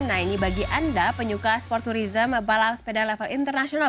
nah ini bagi anda penyuka sport tourism balap sepeda level internasional